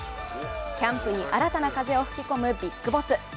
キャンプに新たな風を吹き込むビッグボス。